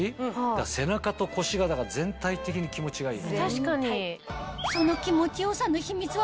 背中と腰が全体的に気持ちがいい。